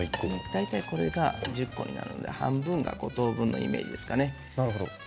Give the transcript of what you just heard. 大体これが１０個になるので半分の５等分のイメージですね。